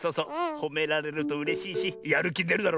ほめられるとうれしいしやるきでるだろ。